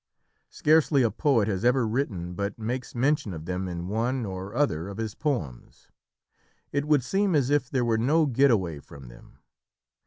Scarcely a poet has ever written but makes mention of them in one or other of his poems. It would seem as if there were no get away from them.